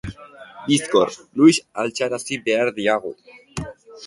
Bizkor, Luis altxarazi behar diagu.